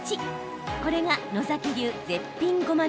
これが野崎流絶品ごま